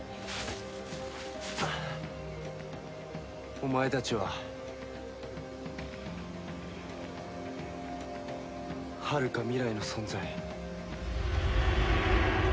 お前たちははるか未来の存在。